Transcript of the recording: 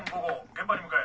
現場に向かえ。